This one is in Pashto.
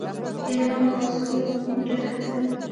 ایران ګازسوز موټرې هڅوي.